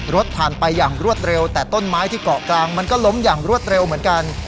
รถผ่านไปอย่างรวดเร็วแต่ต้นไม้ที่เกาะกลางมันก็ล้มอย่างรวดเร็วเหมือนกัน